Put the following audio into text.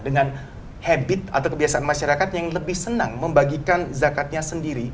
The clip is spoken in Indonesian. dengan habit atau kebiasaan masyarakat yang lebih senang membagikan zakatnya sendiri